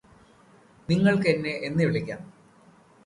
നിങ്ങൾക്കെന്നെ എന്ന് വിളിക്കാം